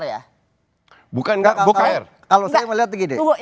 yang saya tanya beliau